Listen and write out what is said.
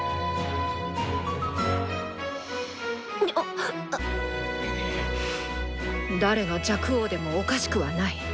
心の声誰が若王でもおかしくはない。